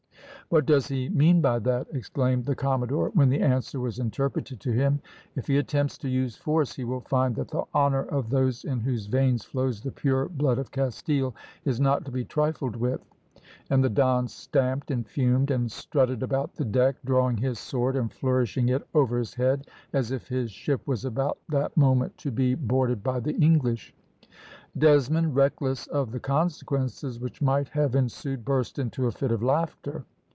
"What does he mean by that?" exclaimed the commodore, when the answer was interpreted to him. "If he attempts to use force, he will find that the honour of those in whose veins flows the pure blood of Castille is not to be trifled with;" and the Don stamped, and fumed, and strutted about the deck, drawing his sword and flourishing it over his head as if his ship was about that moment to be boarded by the English. Desmond, reckless of the consequences which might have ensued, burst into a fit of laughter.